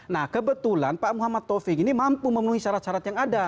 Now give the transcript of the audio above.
nah kebetulan pak muhammad taufik ini mampu memenuhi syarat syarat yang ada